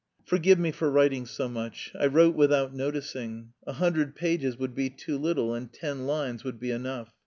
"Forgive me for writing so much. I wrote without noticing. A hundred pages would be too little and ten lines would be enough.